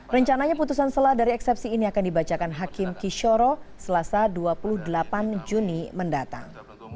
rencananya putusan selah dari eksepsi ini akan dibacakan hakim kishoro selasa dua puluh delapan juni mendatang